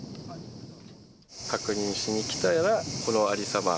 確認しに来たら、このありさま。